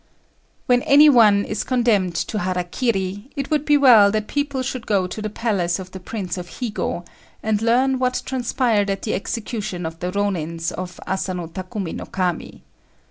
] When any one is condemned to hara kiri, it would be well that people should go to the palace of the Prince of Higo, and learn what transpired at the execution of the Rônins of Asano Takumi no Kami.